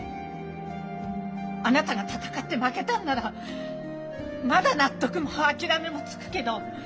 あなたが闘って負けたんならまだ納得も諦めもつくけど。